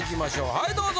はいどうぞ。